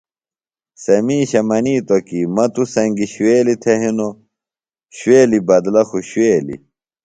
سےۡ مِیشہ منِیتوۡ کے مہ توۡ سنگیۡ شُوویلیۡ تھےۡ ہنوۡ، شُوویلیۡ بدلہ خوۡ شُوویلیۡ